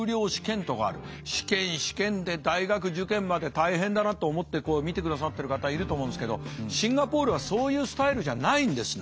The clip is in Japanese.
試験試験で大学受験まで大変だなと思って見てくださってる方いると思うんですけどシンガポールはそういうスタイルじゃないんですね